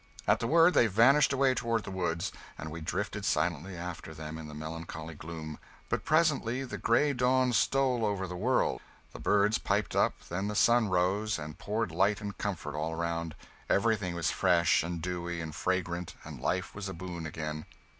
At the word, they vanished away toward the woods, and we drifted silently after them in the melancholy gloom. But presently the gray dawn stole over the world, the birds piped up, then the sun rose and poured light and comfort all around, everything was fresh and dewy and fragrant, and life was a boon again.